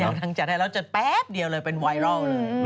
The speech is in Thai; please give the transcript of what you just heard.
เดี๋ยวทางจัดให้แล้วจัดแป๊บเดียวเลยเป็นไวรัลเลย